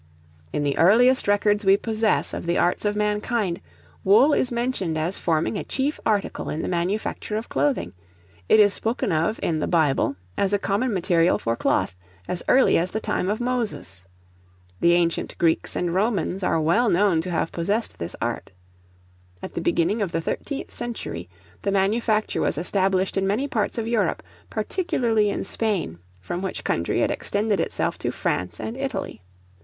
In the earliest records we possess of the arts of mankind, wool is mentioned as forming a chief article in the manufacture of clothing; it is spoken of in the Bible, as a common material for cloth, as early as the time of Moses. The ancient Greeks and Romans are well known to have possessed this art. At the beginning of the thirteenth century, the manufacture was established in many parts of Europe, particularly in Spain, from which country it extended itself to France and Italy.